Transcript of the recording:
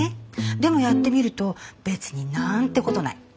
でもやってみると別に何てことない。